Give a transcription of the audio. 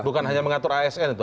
bukan hanya mengatur asn itu